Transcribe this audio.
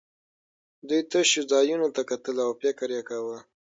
دوی تشو ځایونو ته کتل او فکر یې کاوه